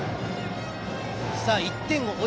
１点を追う